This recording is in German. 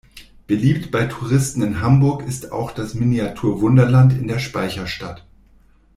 Beliebt bei Touristen in Hamburg ist auch das Miniatur-Wunderland in der Speicherstadt.